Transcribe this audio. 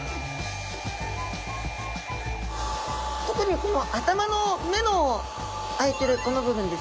特にこの頭の目のあいてるこの部分ですね